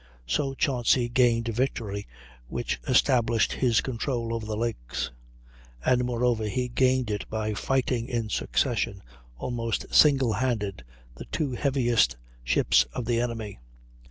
So Chauncy gained a victory which established his control over the lakes; and, moreover, he gained it by fighting in succession, almost single handed, the two heaviest ships of the enemy.